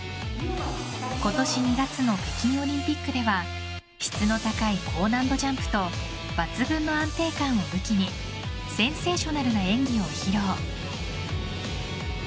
今年２月の北京オリンピックでは質の高い高難度ジャンプと抜群の安定感を武器にセンセーショナルな演技を披露。